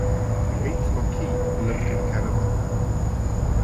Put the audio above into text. The eighth Marquess lived in Canada.